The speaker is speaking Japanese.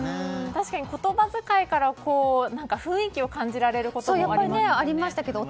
確かに言葉遣いから雰囲気が感じられることもありますからね。